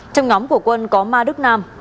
trong nhóm của quân có ma đức nam